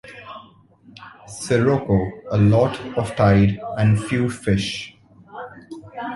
Sirocco, a lot of tide and few fish.